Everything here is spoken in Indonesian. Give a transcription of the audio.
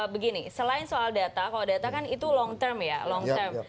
begini selain soal data kalau data kan itu long term ya long term